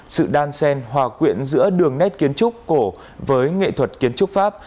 sự đan sen hòa quyện giữa đường nét kiến trúc cổ với nghệ thuật kiến trúc pháp